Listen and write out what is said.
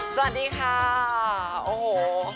สวัสดีค่ะโอ้โห